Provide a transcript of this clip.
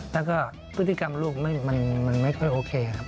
แล้วก็พฤติกรรมลูกมันไม่ค่อยโอเคครับ